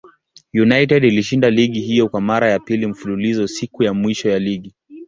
United ilishinda ligi hiyo kwa mara ya pili mfululizo siku ya mwisho ya ligi.